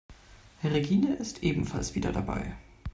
Regine ist ebenfalls wieder dabei.